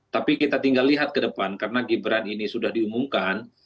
tapi kita tinggal lihat ke depan karena gibran ini sudah diumumkan